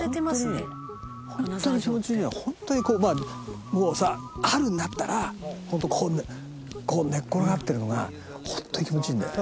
ホントにホントに気持ちいいのはホントにこうもうさ春になったらここにここに寝っ転がってるのがホントに気持ちいいんだよ。